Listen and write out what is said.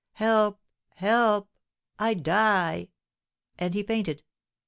Help, help! I die!" And he fainted.